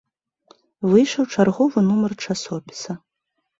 Выйшаў чарговы нумар часопіса.